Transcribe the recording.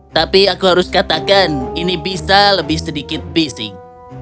tapi aku harus katakan ini bisa lebih sedikit bising